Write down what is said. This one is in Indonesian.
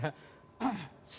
sebetulnya kalau ditanya ada apa